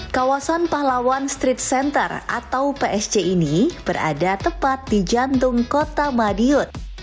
kawasan pahlawan street center atau psc ini berada tepat di jantung kota madiun